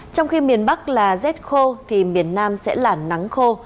trong khi miền bắc là rét khô thì miền nam sẽ là nắng khô